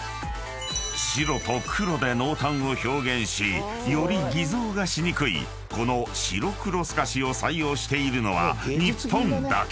［白と黒で濃淡を表現しより偽造がしにくいこの白黒すかしを採用しているのは日本だけ］